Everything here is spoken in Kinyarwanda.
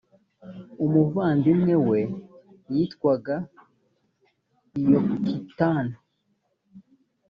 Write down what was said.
umuvandimwe we yitwaga yokitani